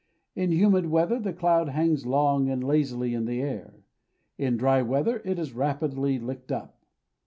In humid weather the cloud hangs long and lazily in the air; in dry weather it is rapidly licked up.